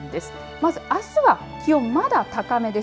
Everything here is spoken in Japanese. まず、あすは気温まだ高めです。